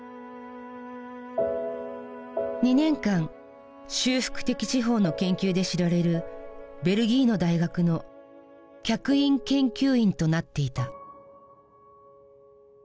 ２年間修復的司法の研究で知られるベルギーの大学の客員研究員となっていた。